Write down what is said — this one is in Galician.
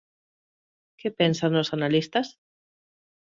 Que pensan os analistas?